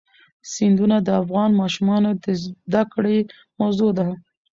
سیندونه د افغان ماشومانو د زده کړې موضوع ده.